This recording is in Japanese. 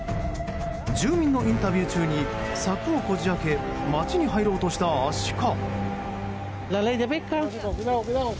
住民のインタビュー中に柵をこじ開け街に入ろうとしたアシカ。